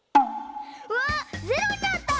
うわっ「０」になった！